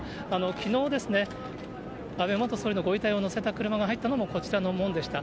きのう、安倍元総理のご遺体を乗せた車が入ったのも、こちらの門でした。